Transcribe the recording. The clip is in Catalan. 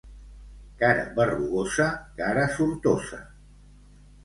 Cara berrugosa, cara sortosa.